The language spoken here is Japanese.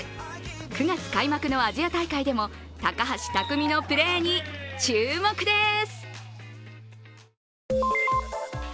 ９月開幕のアジア大会でも高橋巧のプレーに注目です。